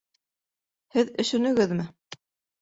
Һеҙ өшөнөгөҙмө?